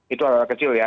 itu hal kecil ya